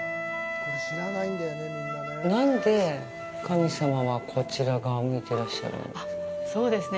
何で神様はこちら側を向いてらっしゃるんですか。